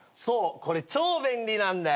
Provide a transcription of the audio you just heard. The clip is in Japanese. これ超便利なんだよ。